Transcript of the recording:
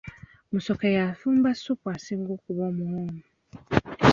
Musoke y'afumba ssupu asinga okuba omuwoomu.